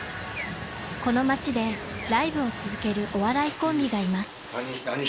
［この街でライブを続けるお笑いコンビがいます］